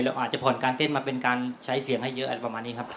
อาจจะผ่อนการเต้นมาเป็นการใช้เสียงให้เยอะอะไรประมาณนี้ครับ